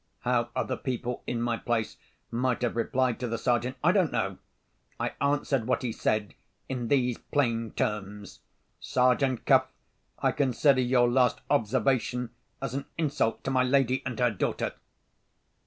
How other people, in my place, might have replied to the Sergeant, I don't know. I answered what he said in these plain terms: "Sergeant Cuff, I consider your last observation as an insult to my lady and her daughter!"